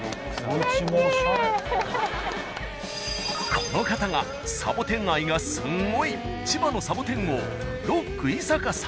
この方がサボテン愛がスンゴイ千葉のサボテン王ロック井坂さん。